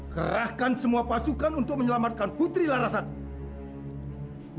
kerahkan semua pasukan untuk menyelamatkan putri larasan